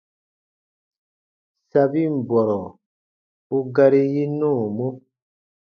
Sabin bɔrɔ u gari yi nɔɔmɔ.